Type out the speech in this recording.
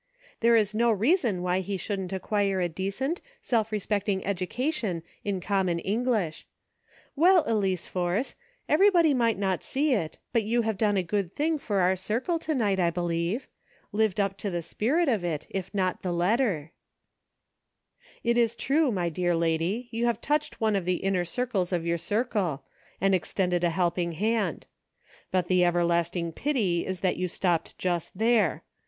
There is no rea son why he shouldn't acquire a decent, self respect ing education in common English. Well, Elice Force, everybody might not see it, but you have done a good thing for our circle to night, I believe ; lived up to the spirit of it, if not the letter." PHOTOGRAPHS. I 39 It is true, my dear lady, you have touched one of the inner circles of your circle, and extended a helping hand ; but the everlasting pity is that you stopped just there.